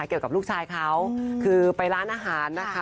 กับลูกชายเขาคือไปร้านอาหารนะคะ